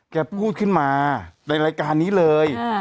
แกพูดขึ้นมาในรายการนี้เลย